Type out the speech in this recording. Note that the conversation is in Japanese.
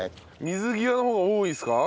水際の方が多いですか？